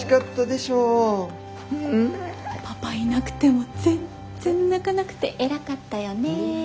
パパいなくても全然泣かなくて偉かったよね。